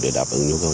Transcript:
để đáp ứng nhu cơm